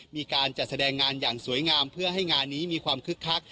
มีการจัดแสดงงานอย่างสวยงามเพื่อให้งานนี้มีความคึกคัก